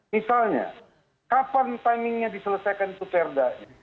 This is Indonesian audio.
misalnya kapan timingnya diselesaikan itu perda